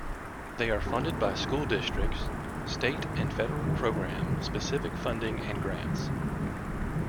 They are funded by school districts, state and federal program specific funding and grants.